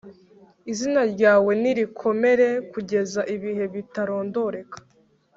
Izina ryawe nirikomere kugeza ibihe bitarondoreka